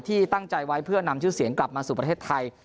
ที่ตั้งใจไว้เพื่อนำชื่อเสียงกลับมาสู่ประเทศไทย